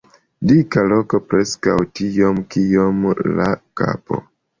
Dika kolo, preskaŭ tiom kiom la kapo.